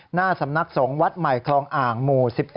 หน้าสำนักสงฆ์วัดใหม่คลองอ่างหมู่๑๑